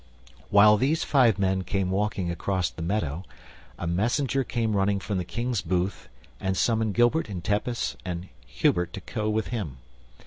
While these five men came walking across the meadow, a messenger came running from the King's booth and summoned Gilbert and Tepus and Hubert to go with him.